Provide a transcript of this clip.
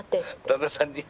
旦那さんに。